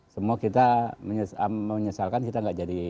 semua kita menyesalkan kita nggak jadi